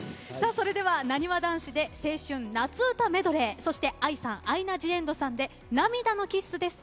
それでは、なにわ男子で青春夏うたメドレーＡＩさんアイナ・ジ・エンドさんで「涙のキッス」です。